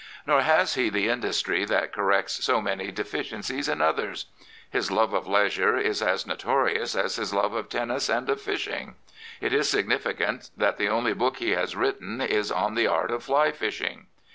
Nor has he the industry that corrects so many de ficiencies in others. IDs love of leisure is as notorious as his love of tennis and of fishing. It is significant that the only book he has written is on the art of fly fishing.